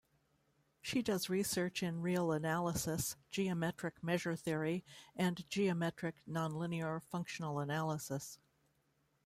She does research in real analysis, geometric measure theory, and geometric nonlinear functional analysis.